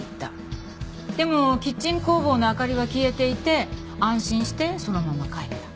でもキッチン工房の明かりは消えていて安心してそのまま帰った。